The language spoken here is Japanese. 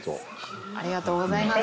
ありがとうございます。